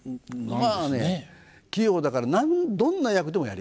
まあね器用だからどんな役でもやりました。